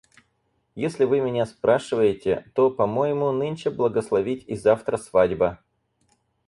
Если вы меня спрашиваете, то, по моему, нынче благословить и завтра свадьба.